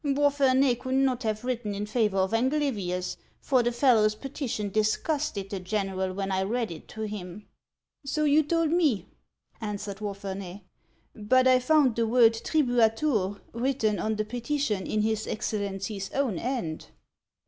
" Wapherney could not have written in favor of Anglvvius, 184 HANS OF ICELAND. for the fellow's petition disgusted the general when I read it to him." " So you told me," answered Wapherney ;" but I found the word tribuatur 1 written on the petition in his Excel lency's own hand."